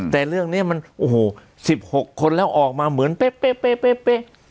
แต่เรื่องนี้มันโอ้โห๑๖คนแล้วออกมาเหมือนเป๊ะ